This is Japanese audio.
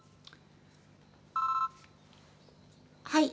はい。